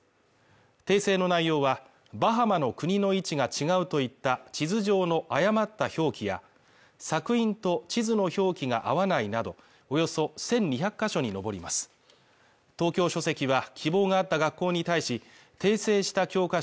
訂正の内容はバハマの国の位置が違うといった地図上の誤った表記や索引と地図の表記が合わないなどおよそ１２００か所に上ります東京書籍は希望があった学校に対し訂正した教科書